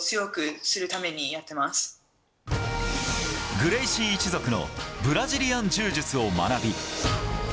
グレイシー一族のブラジリアン柔術を学び